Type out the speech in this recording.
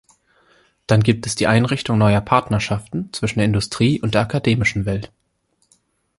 Dann gibt es die Einrichtung neuer Partnerschaften zwischen der Industrie und der akademischen Welt.